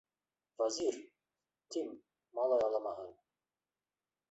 - Вәзир, тим, малай аламаһы!